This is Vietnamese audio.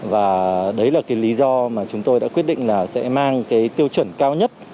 và đấy là cái lý do mà chúng tôi đã quyết định là sẽ mang cái tiêu chuẩn cao nhất